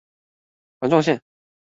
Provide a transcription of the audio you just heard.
環狀線